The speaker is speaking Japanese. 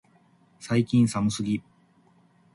最近寒すぎ、